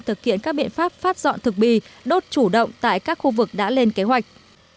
thực hiện các biện pháp phát dọn thực bì đốt chủ động tại các khu vực đã lên kế hoạch